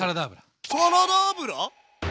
サラダ油。